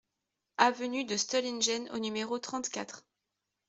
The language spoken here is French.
Avenue de Stuhlingen au numéro trente-quatre